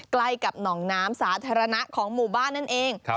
ใกล้กับหนองน้ำสาธารณะของหมู่บ้านนั่นเอง